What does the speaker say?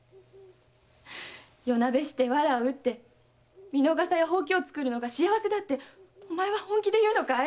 夜なべして藁を打って蓑笠や箒を作るのが幸せだっておまえは本気で言うのかい？